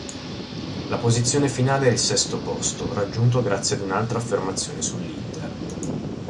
La posizione finale è il sesto posto, raggiunto grazie ad un'altra affermazione sull'Inter.